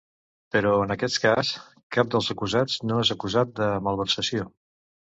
Però en aquest cas, cap dels acusats no és acusat de malversació.